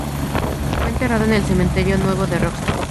Fue enterrado en el Cementerio Nuevo de Rostock.